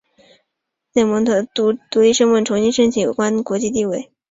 蒙特内哥罗后来则以独立身份重新申请有关国际地位。